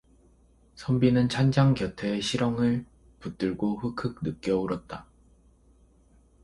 선비는 찬장 곁의 시렁을 붙들고 흑흑 느껴 울었다.